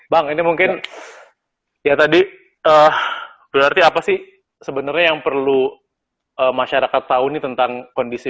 bang ini mungkin ya tadi berarti apa sih sebenarnya yang perlu masyarakat tahu nih tentang kondisi